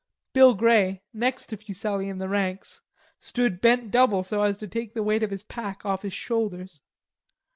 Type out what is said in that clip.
Bill Grey, next to Fuselli in the ranks, stood bent double so as to take the weight of his pack off his shoulders.